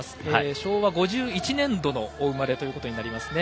昭和５１年度のお生まれということになりますね。